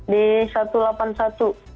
di satu ratus delapan puluh satu jakarta pusat